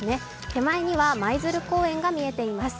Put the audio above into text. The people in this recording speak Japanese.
手前には舞鶴公園が見えています。